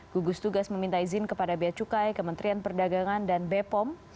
gugus tugas meminta izin kepada biaya cukai kementerian perdagangan dan bepom